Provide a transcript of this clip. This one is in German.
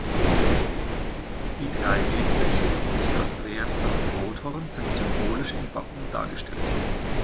Die drei Wildbäche und das Brienzer Rothorn sind symbolisch im Wappen dargestellt.